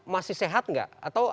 masih sehat gak